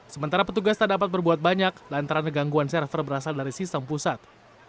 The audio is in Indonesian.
sementara petugas tak dapat berbuat banyak lantaran gangguan server berasal dari sistem pusat